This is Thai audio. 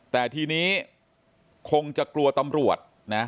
แต่ทีนี้คงจะกลัวตำรวจนะ